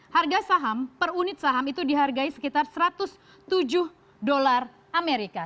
harga saham per unit saham itu dihargai sekitar satu ratus tujuh dolar amerika